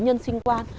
nhân sinh quan